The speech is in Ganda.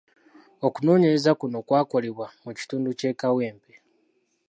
Okunoonyereza kuno kwakolebwa mu kitundu ky'e Kawempe.